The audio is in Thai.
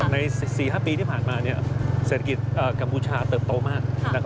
ใน๔๕ปีที่ผ่านมาเศรษฐกิจกัมพูชาเติบโตมาก